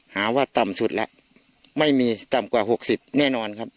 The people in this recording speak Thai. หาว่าต่ำสุดแล้วไม่มีต่ำกว่า๖๐แน่นอนครับ